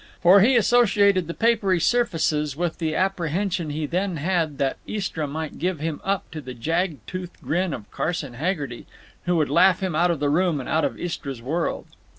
For he associated the papery surfaces with the apprehension he then had that Istra might give him up to the jag toothed grin of Carson Haggerty, who would laugh him out of the room and out of Istra's world.